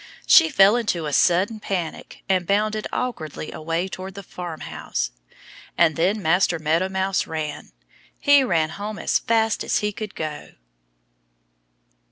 She fell into a sudden panic and bounded awkwardly away toward the farmhouse. And then Master Meadow Mouse ran. He ran home as fast as he could go.